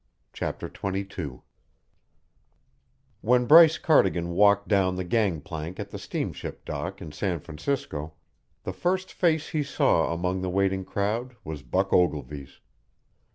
CHAPTER XXII When Bryce Cardigan walked down the gang plank at the steamship dock in San Francisco, the first face he saw among the waiting crowd was Buck Ogilvy's.